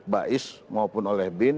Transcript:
baiz maupun oleh bin